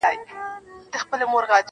واوری واوری شب پرستو سهرونه خبرومه,